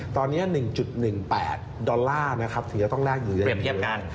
ตอนนี้๑๑๘ดอลลาร์ถึงจะต้องได้อยู่ในยูโร